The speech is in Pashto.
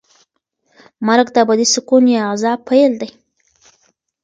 مرګ د ابدي سکون یا عذاب پیل دی.